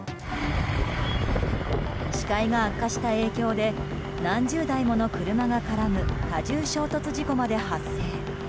視界が悪化した影響で何十台もの車が絡む多重衝突事故まで発生。